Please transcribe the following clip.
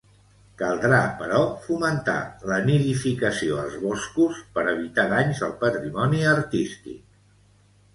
Caldrà, però, fomentar la nidificació als boscos per evitar danys al patrimoni artístic.